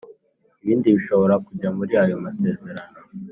Ibindi bishobora kujya muri ayo masezerano